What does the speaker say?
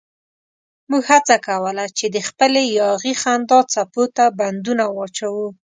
موږ هڅه کوله چې د خپلې یاغي خندا څپو ته بندونه واچوو.